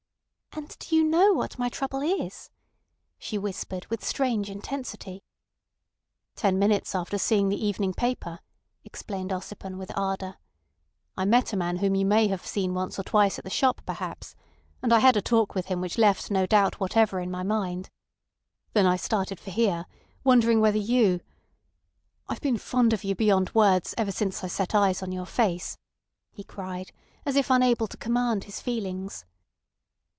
"And do you know what my trouble is?" she whispered with strange intensity. "Ten minutes after seeing the evening paper," explained Ossipon with ardour, "I met a fellow whom you may have seen once or twice at the shop perhaps, and I had a talk with him which left no doubt whatever in my mind. Then I started for here, wondering whether you—I've been fond of you beyond words ever since I set eyes on your face," he cried, as if unable to command his feelings.